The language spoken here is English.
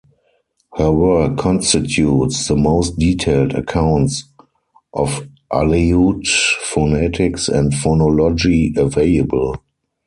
Her work constitutes the most detailed accounts of Aleut phonetics and phonology available.